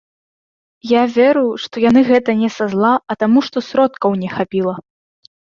Я веру, што яны гэта не са зла, а таму што сродкаў не хапіла.